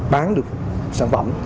bán được sản phẩm